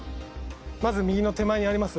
まず右の手前にあります